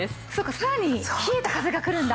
さらに冷えた風が来るんだ！